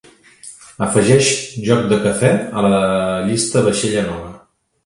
Afegeix joc de cafè a la llista de vaixella nova.